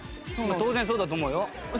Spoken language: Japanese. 当然そうだと思うよ。